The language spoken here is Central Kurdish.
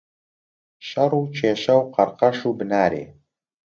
شەڕ و کێشە و قەڕقەش و بنارێ.